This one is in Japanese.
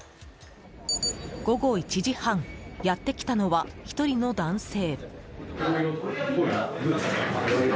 午後１時半やってきたのは１人の男性。